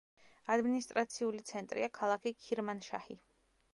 ადმინისტრაციული ცენტრია ქალაქი ქირმანშაჰი.